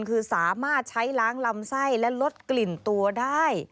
คือสามารถใช้ล้างลำไส้และลดกลิ่นตัวได้